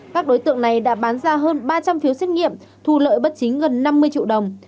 các đối tượng này đã bán ra hơn ba trăm linh phiếu xét nghiệm thu lợi bất chính gần năm mươi triệu đồng